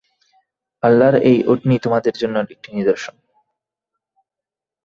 আল্লাহর এই উটনী তোমাদের জন্যে একটি নিদর্শন।